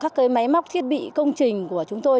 các cái máy móc thiết bị công trình của chúng tôi